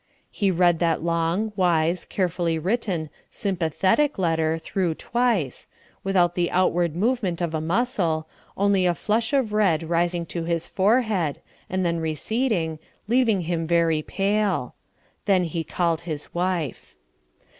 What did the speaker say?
He read that long, wise, carefully written, sympathetic letter through twice, without the outward movement of a muscle, only a flush of red rising to his forehead, and then receding, leaving him very pale. Then he called his wife.